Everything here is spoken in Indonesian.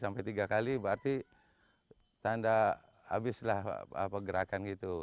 sampai tiga kali berarti tanda habislah gerakan gitu